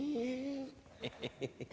ヘヘヘッ。